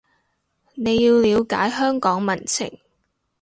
你要了解香港民情